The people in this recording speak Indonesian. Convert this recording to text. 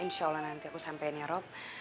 insya allah nanti aku sampein ya rob